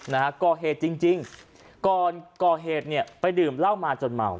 นะฮะก่อเหตุจริงจริงก่อนก่อเหตุเนี่ยไปดื่มเหล้ามาจนเมา